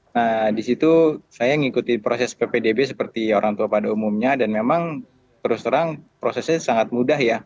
nah disitu saya mengikuti proses ppdb seperti orang tua pada umumnya dan memang terus terang prosesnya sangat mudah ya